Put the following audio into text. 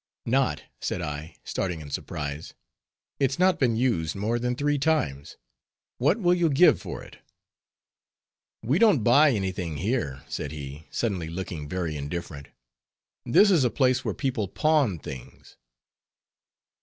"Not," said I, starting in surprise, "it's not been used more than three times; what will you give for it?" "We don't buy any thing here," said he, suddenly looking very indifferent, "this is a place where people pawn things."